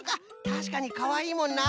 たしかにかわいいもんな。